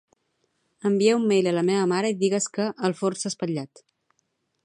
Envia un mail a la meva mare i digues que "el forn s'ha espatllat".